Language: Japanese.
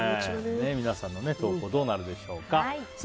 皆さんの投稿どうなるでしょうか。